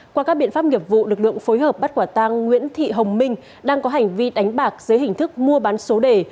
qua các biện pháp nghiệp vụ lực lượng phối hợp bắt quả tang nguyễn thị hồng minh đang có hành vi đánh bạc dưới hình thức mua bán số đề